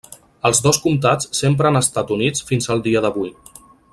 Els dos comtats sempre han estat units fins al dia d'avui.